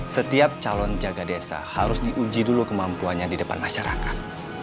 setiap calon jaga desa harus diuji dulu kemampuannya di depan masyarakat